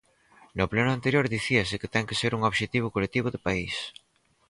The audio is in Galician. No pleno anterior dicíase que ten que ser un obxectivo colectivo de país.